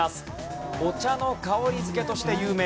お茶の香り付けとして有名。